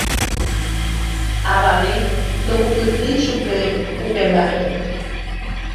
Avave ndohupytýi chupe upe mbaʼépe.